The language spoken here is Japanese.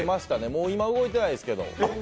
もう今は動いていないですけど。